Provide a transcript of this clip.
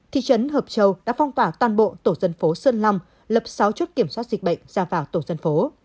thị trấn hợp châu đã phong tỏa toàn bộ tổ dân phố sơn long lập sáu chốt kiểm soát dịch bệnh ra vào tổ dân phố